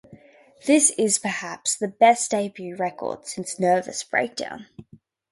This is perhaps the best debut record since "Nervous Breakdown".